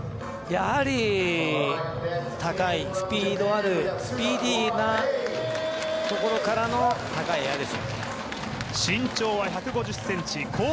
やはり高い、スピードあるスピーディーなところからの高いエアです。